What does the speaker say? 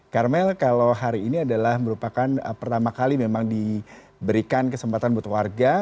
karmel kalau hari ini adalah merupakan pertama kali memang diberikan kesempatan buat warga